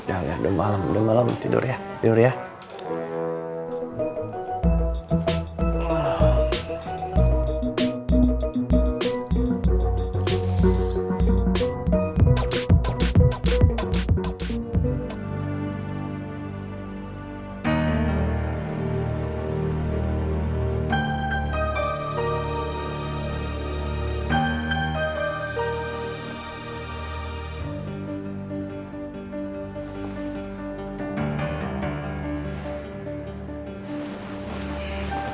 udah malem tidur ya